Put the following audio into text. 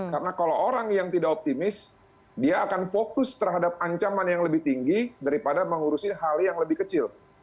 karena kalau orang yang tidak optimis dia akan fokus terhadap ancaman yang lebih tinggi daripada mengurusi hal yang lebih kecil